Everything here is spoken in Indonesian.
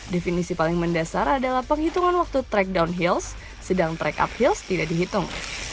definisi paling mendasar adalah penghitungan waktu track downhill sedang track uphill tidak dihitung